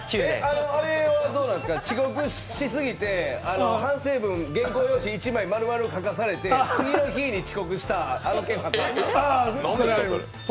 遅刻しすぎて反省文原稿用紙１枚まるまる書かされて、次の日に遅刻したあの件はどうですか。